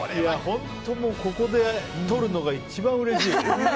本当ここでとるのが一番うれしい。